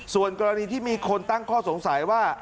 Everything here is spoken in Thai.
ส่วนกรณีที่มีคนตั้งข้อสงสัยว่า